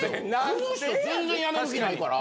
この人全然辞める気ないから。